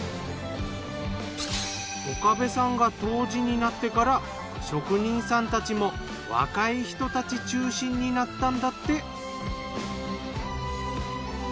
岡部さんが杜氏になってから職人さんたちも若い人たち中心になったんだって。